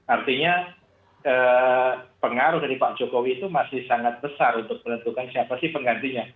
artinya pengaruh dari pak jokowi itu masih sangat besar untuk menentukan siapa sih penggantinya